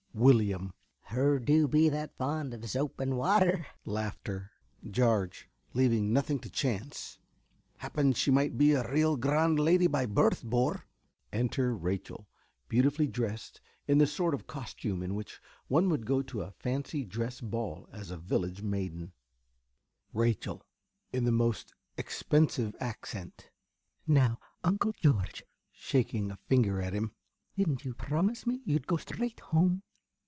~Willyum~. Her do be that fond of zoap and water. ~Jarge~ (leaving nothing to chance). Happen she might be a real grand lady by birth, bor. Enter Rachel, beautifully dressed in the sort of costume in which one would go to a fancy dress ball as a village maiden. ~Rachel~ (in the most expensive accent). Now, Uncle George (shaking a finger at him), didn't you promise me you'd go straight home?